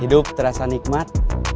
hidup terasa nikmat